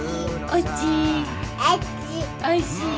おいしい？